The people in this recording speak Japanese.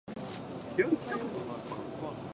柿は美味しい。